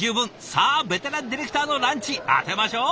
さあベテランディレクターのランチ当てましょう！